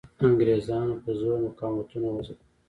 انګریزانو په زور مقاومتونه وځپل.